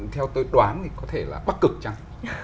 theo tôi đoán thì có thể là bắc cực trăng